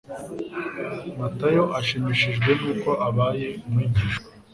Matayo ashimishijwe nuko abaye umwigishwa,